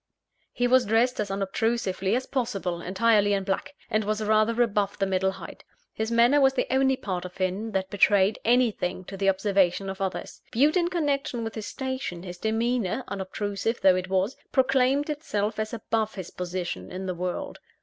He was dressed as unobtrusively as possible, entirely in black; and was rather above the middle height. His manner was the only part of him that betrayed anything to the observation of others. Viewed in connection with his station, his demeanour (unobtrusive though it was) proclaimed itself as above his position in the world.